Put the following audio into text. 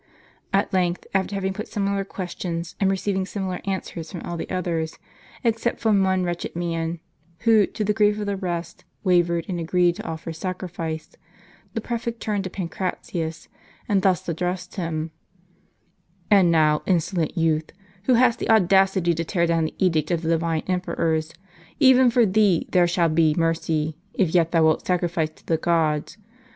At length, after having put similar questions, and receiving similar answers from all the others, except from one wretched man, who, to the grief of the rest, wavered and agreed to offer sacrifice, the prefect turned to Pancratius, and thus addressed him :" And now, insolent youth, who hadst the audacity to tear down the edict of the divine emperors, even for thee there shall be mercy, if yet thou wilt sacrifice to the gods.